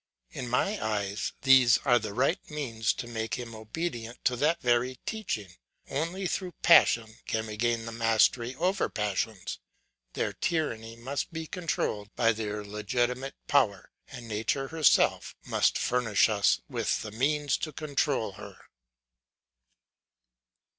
In my eyes, these are the right means to make him obedient to that very teaching. Only through passion can we gain the mastery over passions; their tyranny must be controlled by their legitimate power, and nature herself must furnish us with the means to control her.